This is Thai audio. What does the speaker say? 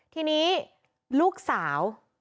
ทีนี้ลูกสาว